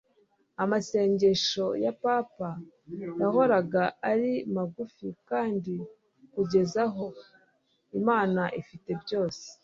amasengesho ya papa yahoraga ari mugufi kandi kugeza aho. imana ifite byose